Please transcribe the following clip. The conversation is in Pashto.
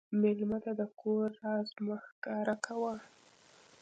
مېلمه ته د کور راز مه ښکاره کوه.